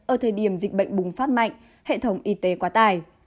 ở thời điểm dịch bệnh bùng phát mạnh hệ thống y tế quá tài